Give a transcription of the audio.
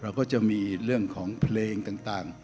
ก็จะมีเรื่องของเพลงต่าง